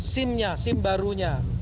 sim nya sim barunya